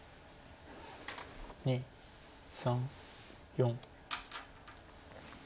２３４。